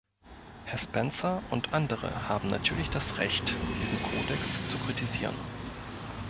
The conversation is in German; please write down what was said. Herr Spencer und andere haben natürlich das Recht, diesen Kodex zu kritisieren.